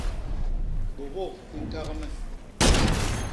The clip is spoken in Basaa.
Bôbôk i ñkak me!